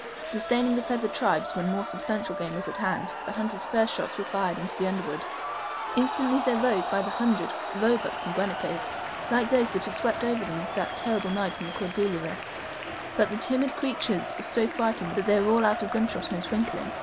Disdaining the feathered tribes when more substantial game was at hand, the hunters' first shots were fired into the underwood. Instantly there rose by the hundred roebucks and guanacos, like those that had swept over them that terrible night on the Cordilleras, but the timid creatures were so frightened that they were all out of gunshot in a twinkling.